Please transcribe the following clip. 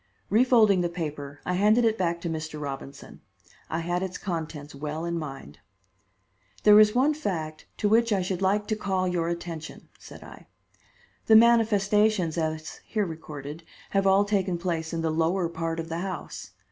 Refolding the paper, I handed it back to Mr. Robinson. I had its contents well in mind. "There is one fact to which I should like to call your attention," said I. "The manifestations, as here recorded, have all taken place in the lower part of the house.